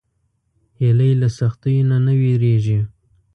هیلۍ له سختیو نه نه وېرېږي